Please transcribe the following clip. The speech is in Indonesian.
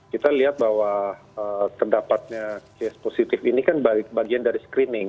kita lihat bahwa terdapatnya case positif ini kan bagian dari screening